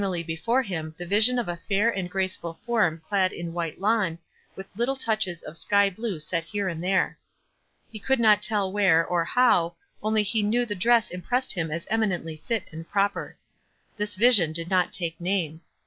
13 ily before him the vision of a fair and graceful form clad in white lawn, with little touches of sky blue set here and there. He could not tell where, or how, only he knew the dress im pressed him as eminently fit and proper. This vision did not take name.